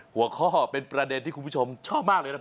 หัวข้อเป็นประเด็นที่คุณผู้ชมชอบมากเลยนะครับ